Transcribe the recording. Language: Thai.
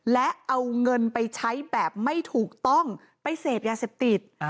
และเอาเงินไปใช้แบบไม่ถูกต้องไปเสพยาเสพติด